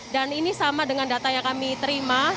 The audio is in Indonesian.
dan ini sama dengan data yang kami terima